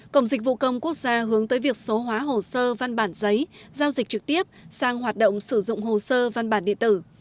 cổng dịch vụ công quốc gia hướng tới việc số hóa hồ sơ văn bản giấy giao dịch trực tiếp sang hoạt động sử dụng hồ sơ văn bản điện tử